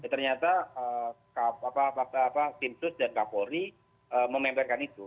ternyata tim sus dan kak polri mememberkan itu